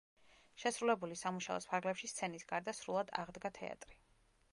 შესრულებული სამუშაოს ფარგლებში სცენის გარდა სრულად აღდგა თეატრი.